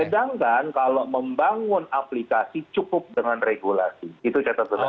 sedangkan kalau membangun aplikasi cukup dengan regulasi itu catatan saya